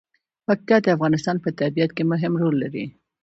پکتیا د افغانستان په طبیعت کې مهم رول لري.